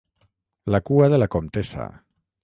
La cua de la comtessa.